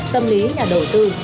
tâm lý nhà đầu tư